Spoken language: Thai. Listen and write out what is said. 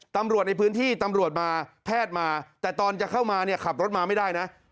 ตำรวจในพื้นที่ตำรวจมาแพทย์มาแต่ตอนจะเข้ามาเนี่ยขับรถมาไม่ได้นะ